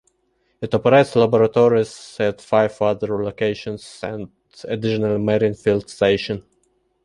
It operates laboratories at five other locations, and an additional marine field station.